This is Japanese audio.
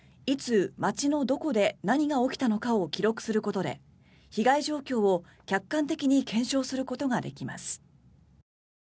いつ、街のどこで何が起きたのかを記録することで被害状況を客観的に検証することができます。